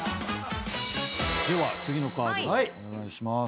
では次のカードをお願いします。